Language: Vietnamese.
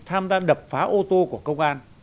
tham gia đập phá ô tô của công an